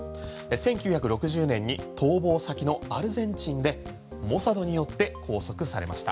１９６０年に逃亡先のアルゼンチンでモサドによって拘束されました。